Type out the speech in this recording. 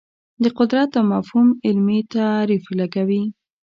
د قدرت دا مفهوم علمي تعریف لګوي